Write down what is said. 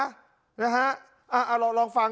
ลองฟังก็ชี้แจงหน่อยทั้งนั้น